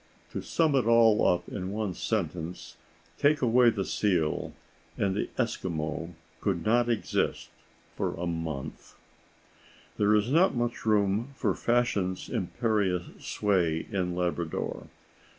To sum it all up in one sentence, take away the seal, and the Eskimo could not exist for a month. There is not much room for fashion's imperious sway in Labrador.